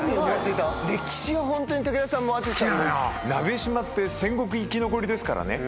鍋島って戦国生き残りですからね。